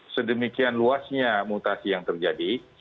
sedemikian luasnya mutasi yang terjadi